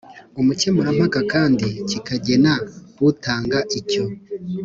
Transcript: umukemurampaka kandi kikagena utanga icyo